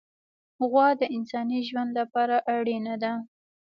غوا د انساني ژوند لپاره اړینه ده.